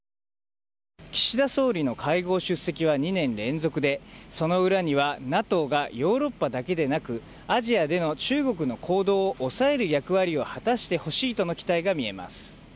岸田総理の会合出席は２年連続で、その裏にはＮＡＴＯがヨーロッパだけでなく、アジアでの中国の行動を抑える役割を果たしてほしいとの期待が見えます。